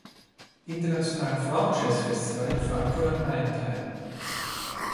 Internationalen Frauen-Jazz-Festival in Frankfurt am Main teil.